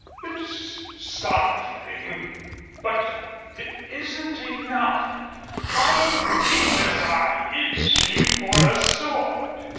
It's something, but it isn't enough. My fingers are itching for a sword."